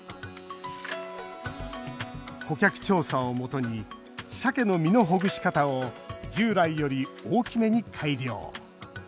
顧客調査をもとにしゃけの身のほぐし方を従来より大きめに改良。